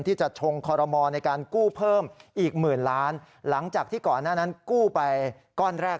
ที่จะชงครหมในการกู้เพิ่มอีกหมื่นล้านหลังจากที่ก่อน้านกู้ไปก้อนแรก